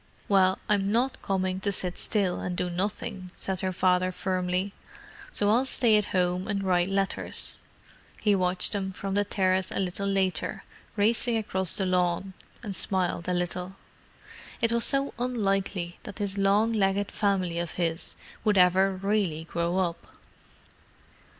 "Well, I'm not coming to sit still and do nothing," said her father firmly, "so I'll stay at home and write letters." He watched them from the terrace a little later, racing across the lawn, and smiled a little. It was so unlikely that this long legged family of his would ever really grow up.